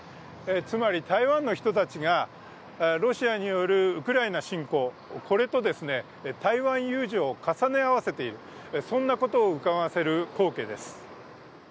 つまり台湾の人たちがロシアによるウクライナ侵攻と台湾有事を重ね合わせている、そんなことをうかがわせる光景です。